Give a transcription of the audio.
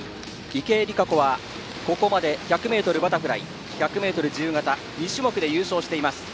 池江璃花子はここまで１００ｍバタフライ１００ｍ自由形２種目で優勝しています。